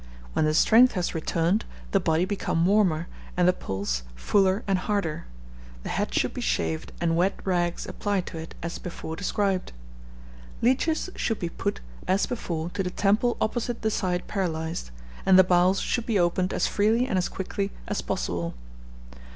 When the strength has returned, the body become warmer, and the pulse fuller and harder, the head should be shaved, and wet rags applied to it, as before described. Leeches should be put, as before, to the temple opposite the side paralyzed; and the bowels should be opened as freely and as quickly as possible.